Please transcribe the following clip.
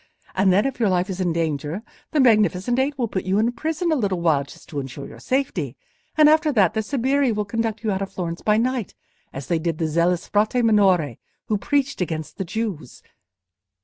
And then if your life is in danger, the Magnificent Eight will put you in prison a little while just to insure your safety, and after that, their sbirri will conduct you out of Florence by night, as they did the zealous Frate Minore who preached against the Jews.